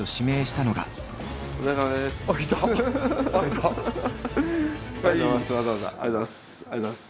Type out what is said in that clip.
ありがとうございます。